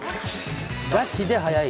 ガチで速い！